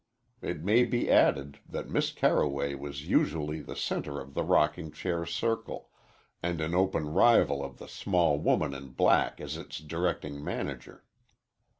It may be added that Miss Carroway was usually the center of the rocking chair circle, and an open rival of the small woman in black as its directing manager.